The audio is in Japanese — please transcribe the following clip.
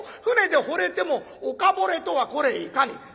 船でほれても岡ぼれとはこれいかに」。